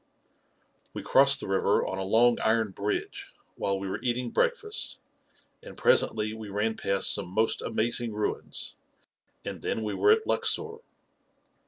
. We crossed the river on a long iron bridge, while we were eating breakfast, and presently we ran past some most amazing ruins, and then we were at Luxor.